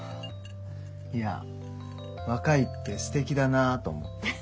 いや若いってすてきだなあと思って。